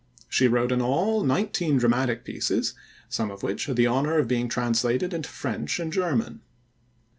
She wrote in all nineteen dramatic pieces, some of which had the honor of being translated into French and German.